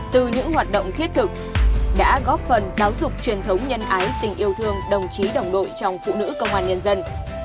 từ những hoạt động thiết thực đã góp phần giáo dục truyền thống nhân ái tình yêu thương đồng chí đồng đội trong phụ nữ công an nhân dân